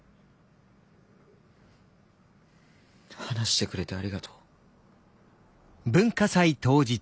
話してくれてありがとう。